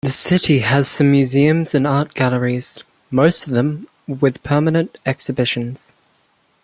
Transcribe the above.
The city has some museums and art galleries, most of them with permanent exhibitions.